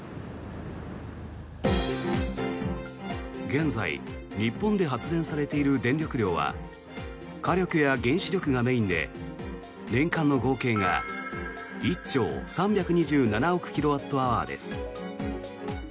現在、日本で発電されている電力量は火力や原子力がメインで年間の合計が１兆３２７億キロワットアワーです。